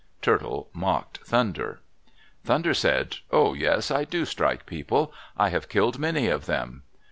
Turtle mocked Thunder. Thunder said, "Oh, yes, I do strike people. I have killed many of them!"